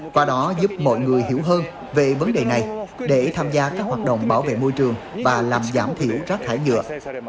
qua đó giúp mọi người hiểu hơn về vấn đề này để tham gia các hoạt động bảo vệ môi trường và làm giảm thiểu rác thải nhựa